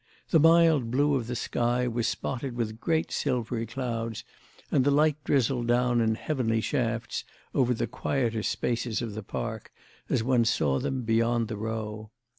The mild blue of the sky was spotted with great silvery clouds, and the light drizzled down in heavenly shafts over the quieter spaces of the Park, as one saw them beyond the Row.